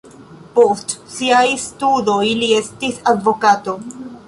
Post siaj studoj li estis advokato.